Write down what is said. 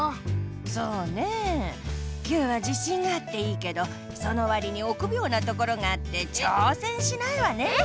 そうねえＱは自信があっていいけどそのわりにおくびょうなところがあってちょうせんしないわねえ。